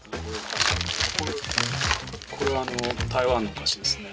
これ台湾のお菓子ですね。